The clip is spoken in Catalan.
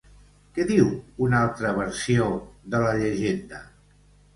Què diu una altra versió de la llegenda?